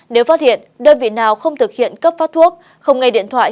nếu phát hiện đơn vị nào không thực hiện cấp phát thuốc không nghe điện thoại